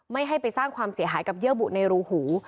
ไม่ให้ไปสร้างความเสียหายกับเยื่อบุในรูหู